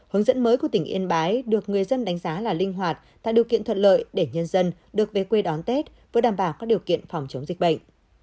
hướng dẫn mới của tỉnh yên bái được người dân đánh giá là linh hoạt tạo điều kiện thuận lợi để nhân dân được về quê đón tết vừa đảm bảo các điều kiện phòng chống dịch bệnh